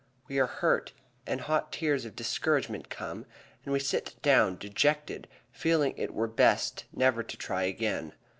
We are hurt, and hot tears of discouragement come, and we sit down dejected feeling it were best never to try again.